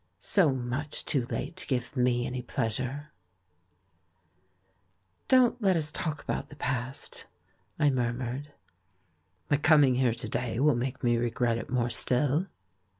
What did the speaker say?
So much too late to give me any pleasure ! "Don't let us talk about the past," I mur mured. "My coming here to day will make me regret it more still."